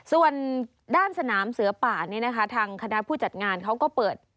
ส่วนด้านสนามเสือป่านี่นะคะทางคณะผู้จัดงานเขาก็เปิด